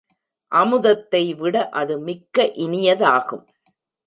அமுதத்தைவிட அது மிக்க இனியதாகும்.